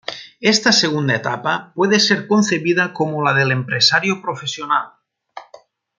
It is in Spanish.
Esta segunda etapa puede ser concebida como la del empresario profesional.